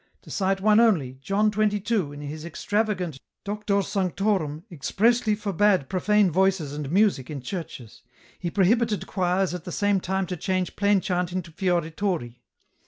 To cite one only, John xxii., in his Extravagant * Doctor Sanctorum,' expressly forbade profane voices and music in churches. He prohibited choirs at the same time to change plain chant into fiorituri.